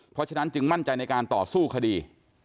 เพราะฉะนั้นจึงมั่นใจในการต่อสู้คดี